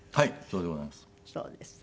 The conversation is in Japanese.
そうでございます。